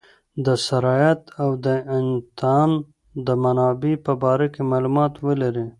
د سرایت او د انتان د منابع په باره کې معلومات ولري.